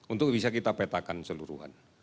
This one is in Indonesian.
untuk bisa kita petakan seluruhan